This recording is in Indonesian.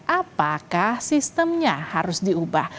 apakah sistemnya harus diubah